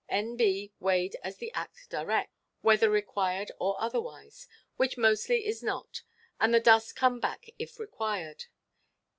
N.B. Weighed as the Act directs, whether required or otherwise, which mostly is not, and the dust come back if required.